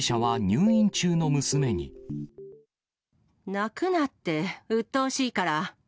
泣くなって、うっとうしいから。